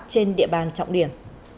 trên địa bàn trọng điểm